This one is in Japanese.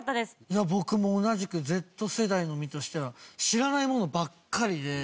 いや僕も同じくＺ世代の身としては知らないものばっかりで。